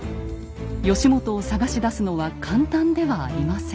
義元を捜し出すのは簡単ではありません。